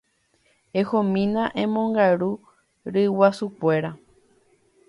Ehomína emongaru ryguasukuéra.